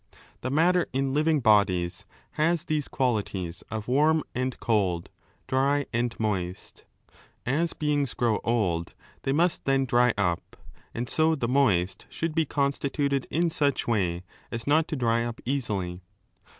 The matter in living bodies has these qualities of weirm and cold, dry and 2 moist. As beings grow old they must then dry up, and so the moist should be constituted in such way as not to dry up easily.